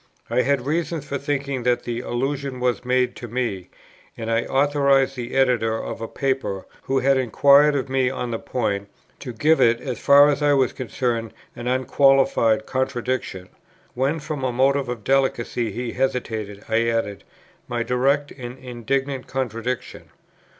I had reasons for thinking that the allusion was made to me, and I authorized the Editor of a Paper, who had inquired of me on the point, to "give it, as far as I was concerned, an unqualified contradiction;" when from a motive of delicacy he hesitated, I added "my direct and indignant contradiction."